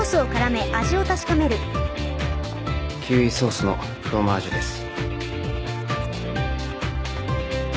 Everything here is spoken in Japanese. キウイソースのフロマージュです。